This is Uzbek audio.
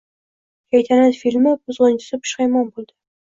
“Shaytanat” filmi “buzgʻunchisi” pushaymon boʻldi